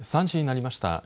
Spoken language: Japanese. ３時になりました。